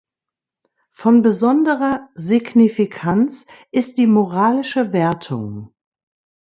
Von besonderer Signifikanz ist die moralische Wertung.